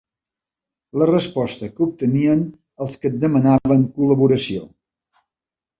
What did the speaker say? La resposta que obtenien els que et demanaven col·laboració.